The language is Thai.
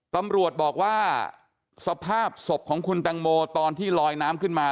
ตำรวจบอกว่าสภาพศพของคุณตังโมตอนที่ลอยน้ำขึ้นมา